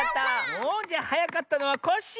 おじゃはやかったのはコッシー！